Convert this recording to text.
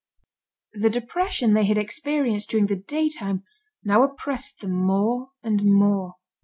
The depression they had experienced during the daytime, now oppressed them more and more.